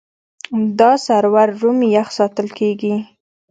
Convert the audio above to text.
دا سرور روم یخ ساتل کېږي.